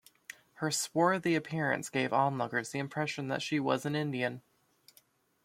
Her swarthy appearance gave onlookers the impression that she was an Indian.